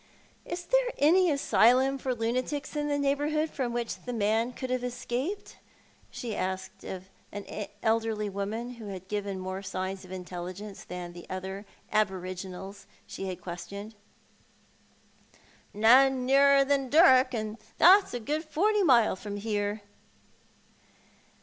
" Is there any asylum for lunatics in the neighbourhood from which the man could have escaped ?" she asked of an elderly woman, who had given more signs of intelligence than the other aboriginals she had questioned. "None nearer than Durrock, and th.it's a good forty mile from here."